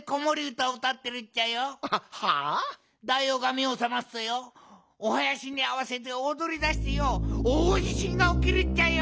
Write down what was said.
がめをさますとよおはやしにあわせておどりだしてよおおじしんがおきるっちゃよ。